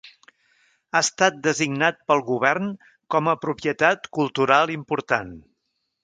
Ha estat designat pel govern com a propietat cultural important.